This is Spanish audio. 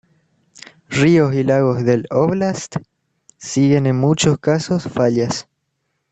Ríos y lagos del óblast siguen en muchos casos fallas.